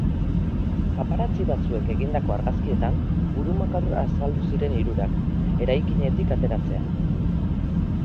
Paparazzi batzuek egindako argazkietan, burumakur azaldu ziren hirurak, eraikinetik ateratzean.